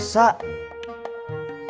masa jualan itu dikendalikan